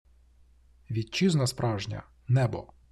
Вітчизна справжня – небо!